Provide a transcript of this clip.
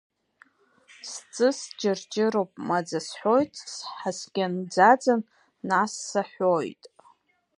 Сҵыс ҷырҷыруп, маӡа сҳәоит, сҳаскьын ӡаӡан, нас саҳәоит.